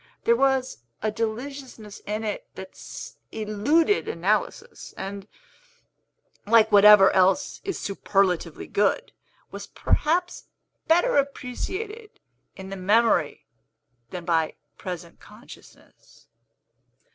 There was a deliciousness in it that eluded analysis, and like whatever else is superlatively good was perhaps better appreciated in the memory than by present consciousness.